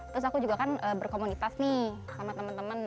terus aku juga kan berkomunitas nih sama teman teman